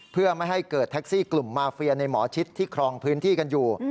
เพื่อไม่ให้เกิดแท็กซี่กลุ่มมาเฟียในหมอชิดที่ครองพื้นที่กันอยู่